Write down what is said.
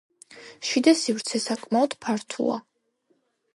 შიდა სივრცე საკმაოდ ფართოა.